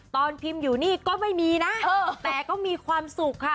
ตอนพิมพ์อยู่นี่ก็ไม่มีนะแต่ก็มีความสุขค่ะ